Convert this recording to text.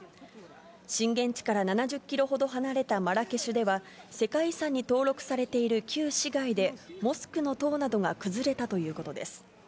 震源地から７０キロほど離れたマラケシュでは、世界遺産に登録されている旧市街で、モスクの塔などが崩れたということです。